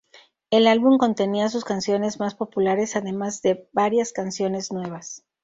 El álbum contenía sus canciones más populares, además de varias canciones nuevas.